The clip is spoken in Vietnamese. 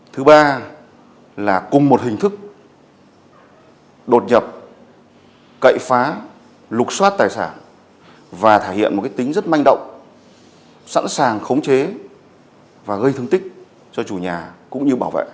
thứ ba là cùng một hình thức đột nhập cậy phá lục xoát tài sản và thể hiện một tính rất manh động sẵn sàng khống chế và gây thương tích cho chủ nhà cũng như bảo vệ